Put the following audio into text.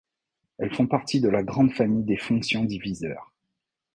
Elles font partie de la grande famille des fonctions diviseur.